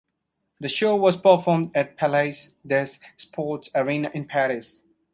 The show was performed at the Palais des Sports arena in Paris.